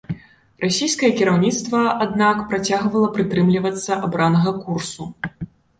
Расійскае кіраўніцтва, аднак, працягвала прытрымлівацца абранага курсу.